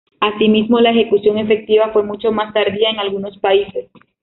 Asimismo, la ejecución efectiva fue mucho más tardía en algunos países.